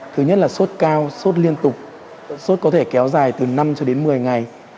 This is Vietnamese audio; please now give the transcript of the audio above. thứ nhất là sốt cao sốt liên tục sốt có thể kéo dài từ năm cho đến một mươi ngày